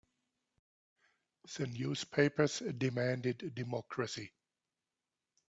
The newspapers demanded democracy.